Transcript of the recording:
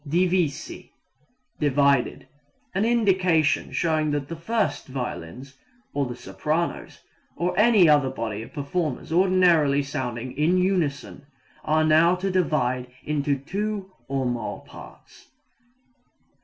Divisi divided. An indication showing that the first violins, or the sopranos, or any other body of performers ordinarily sounding in unison are now to divide into two or more parts.